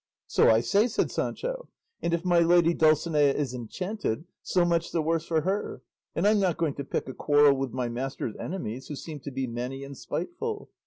"So I say," said Sancho, "and if my lady Dulcinea is enchanted, so much the worse for her, and I'm not going to pick a quarrel with my master's enemies, who seem to be many and spiteful.